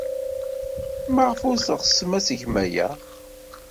Maɣef ur teɣsem ara ad tgem aya?